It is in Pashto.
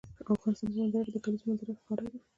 د افغانستان په منظره کې د کلیزو منظره ښکاره ده.